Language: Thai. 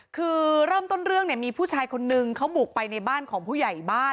คือเริ่มต้นเรื่องเนี่ยมีผู้ชายคนนึงเขาบุกไปในบ้านของผู้ใหญ่บ้าน